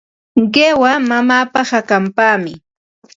Qiwa mamaapa hakanpaqmi.